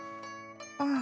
うん。